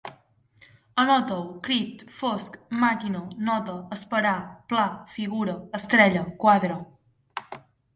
Anotau: crit, fosc, màquina, nota, esperar, pla, figura, estrella, quadre